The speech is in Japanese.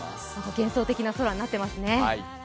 幻想的な空になっていますね。